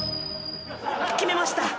決めました！